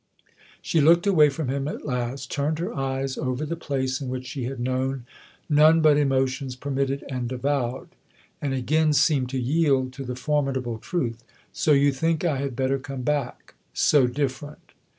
She looked away from him at last turned her eyes over the place in which she had known none but emotions permitted and avowed, and again seemed to yield to the formidable truth. " So you think I had better come back so different